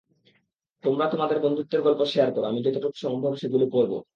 তোমরা তোমাদের বন্ধুত্বের গল্প শেয়ার কর, আমি যতটুকু সম্ভব সেগুলো পড়ব।